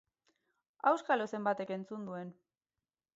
Auskalo zenbatek entzun duen!